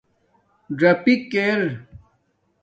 ڎیپک ار